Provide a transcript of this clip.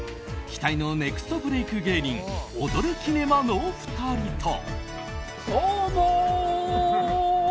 期待のネクストブレーク芸人オドるキネマの２人と。